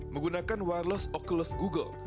menggunakan wireless oculus google